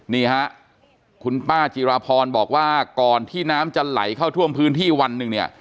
นี่ฮะคุณป้าจิราพรบอกว่าก่อนที่น้ำจะไหลเข้าท่วมพื้นที่วันหนึ่งเนี่ย